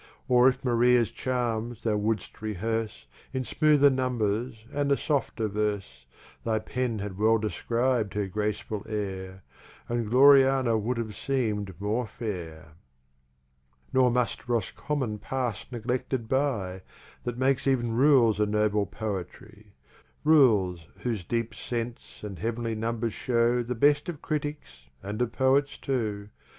Or if Maria's Charms thou wou'dst rehearse, In smoother Numbers and a softer Verse, Thy Pen had well describ'd her Graceful Air, And Gloriana wou'd have seem'd more Fair. Nor must Roscommon pass neglected by, That makes ev'n Rules a noble Poetry: Rules who's deep Sense and Heav'nly Numbers show The best of Critticks, and of Poets too.